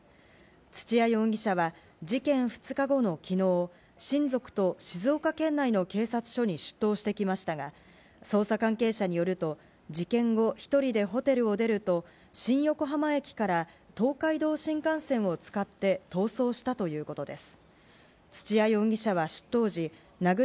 土屋容疑者は事件２日後のきのう、親族と静岡県内の警察署に出頭してきましたが、捜査関係者によると、事件後、１人でホテルを出ると、新横浜駅から東海道新幹線を使って逃走したということです。